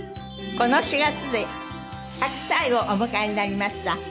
この４月で１００歳をお迎えになりました